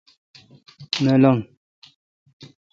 نہ لنگ۔